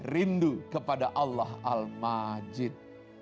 rindu kepada allah al majid